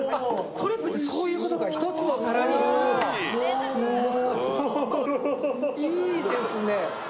トリプルってそういうことか一つの皿にいいですね